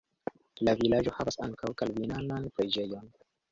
La vilaĝo havas ankaŭ kalvinanan preĝejon.